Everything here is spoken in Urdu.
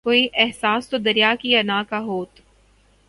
کوئی احساس تو دریا کی انا کا ہوت